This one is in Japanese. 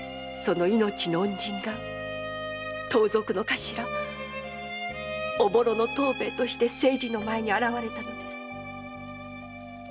その命の恩人が盗賊の頭・おぼろの藤兵衛として清次の前に現れたのです。